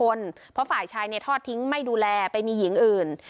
ผู้เยาทั้งสองคนเพราะฝ่ายชายเนี่ยทอดทิ้งไม่ดูแลไปมีหญิงอื่น